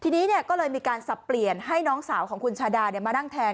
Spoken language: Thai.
ทีนี้ก็เลยมีการสับเปลี่ยนให้น้องสาวของคุณชาดามานั่งแทน